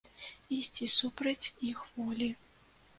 Ісці супраць іх волі.